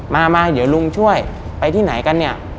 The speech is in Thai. มามาเดี๋ยวลุงช่วยไปที่ไหนกันเนี่ย